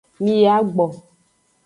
Mi yi agbo.